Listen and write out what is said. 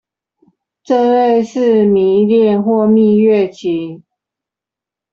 這類似迷戀或蜜月期